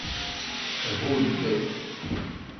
Hudd.